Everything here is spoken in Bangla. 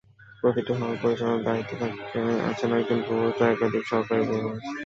প্রতিটি হল পরিচালনার দায়িত্বে আছেন একজন প্রভোস্ট এবং একাধিক সহকারী প্রভোস্ট।